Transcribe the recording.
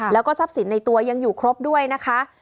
แล้วก็ทรัพย์สินในตัวยังอยู่ครบด้วยนะคะ